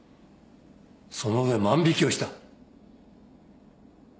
その上万引をした？